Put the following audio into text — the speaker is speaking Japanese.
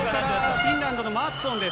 フィンランドのマッツォンです。